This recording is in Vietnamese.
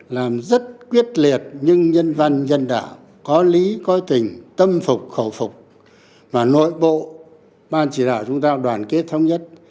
làm rất quyết liệt nhưng nhân văn nhân đạo có lý có tình tâm phục khẩu phục và nội bộ ban chỉ đạo chúng ta đoàn kết thống nhất